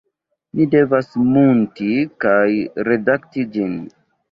Ni devas munti kaj redakti ĝin